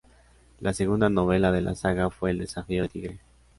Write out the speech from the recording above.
La segunda novela de la saga fue El Desafió del Tigre.